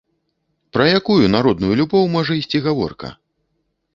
Пра якую народную любоў можа ісці гаворка?